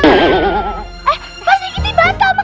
eh pasti gitu banget kak